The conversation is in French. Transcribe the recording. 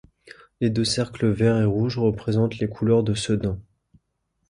Les deux cercles vert et rouge représentent les couleurs de Sedan.